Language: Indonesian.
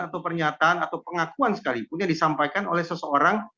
atau pernyataan atau pengakuan sekalipun yang disampaikan oleh seseorang